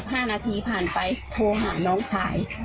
ห้านาทีผ่านไปโทรหาน้องชาย